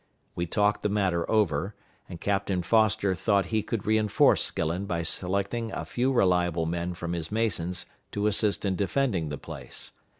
We talked the matter over, and Captain Foster thought he could re enforce Skillen by selecting a few reliable men from his masons to assist in defending the place.